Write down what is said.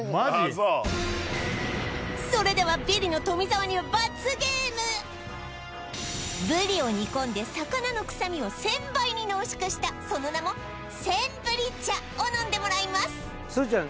それではブリを煮込んで魚の臭みを１０００倍に濃縮したその名も１０００ブリ茶を飲んでもらいます